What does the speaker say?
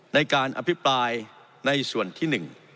ในการอภิปรายในส่วนที่๑